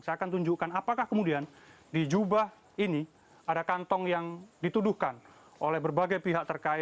saya akan tunjukkan apakah kemudian di jubah ini ada kantong yang dituduhkan oleh berbagai pihak terkait